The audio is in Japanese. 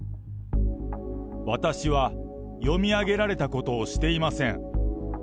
私は読み上げられたことをしていません。